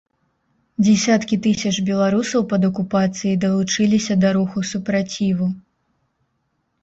Дзесяткі тысяч беларусаў пад акупацыяй далучыліся да руху супраціву.